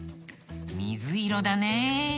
みずいろだね。